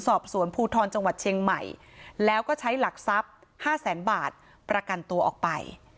สอบสวนภูทรจังหวัดเชียงใหม่แล้วก็ใช้หลักทรัพย์๕แสนบาทประกันตัวออกไป